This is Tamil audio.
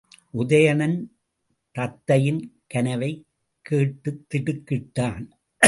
உதயணன் தத்தையின் கனவைக் கேட்டுத்திடுக்கிட்டான்.